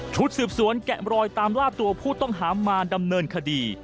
ชุดสืบสวนแกะมรอยตามล่าตัวผู้ต้องหามาดำเนินคดี